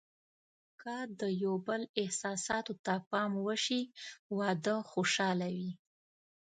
که د یو بل احساساتو ته پام وشي، واده خوشحاله وي.